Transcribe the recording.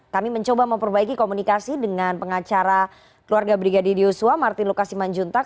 kami mencoba memperbaiki komunikasi dengan pengacara keluarga brigadir yosua martin lukasiman juntak